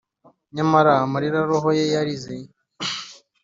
nyamara amarira roho ye yarize